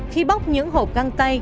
khi bóc những hộp găng tay